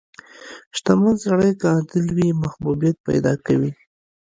• شتمن سړی که عادل وي، محبوبیت پیدا کوي.